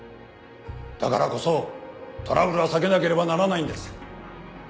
だからこそトラブルは避けなければならないんです。